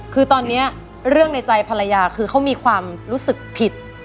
คือตอนนี้เรื่องในใจภรรยาคือเขามีความรู้สึกผิด